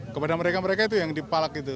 kepada mereka mereka itu yang dipalak itu